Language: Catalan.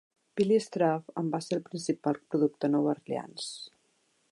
Billy Struve en va ser el principal productor a Nova Orleans.